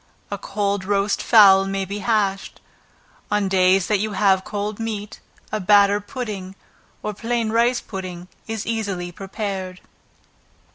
A cold roast fowl may be hashed. On days that you have cold meat, a batter pudding, or plain rice pudding, is easily prepared.